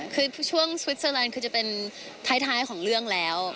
คือช่วงสวิสเตอร์แลนด์คือจะเป็นท้ายของเรื่องแล้ว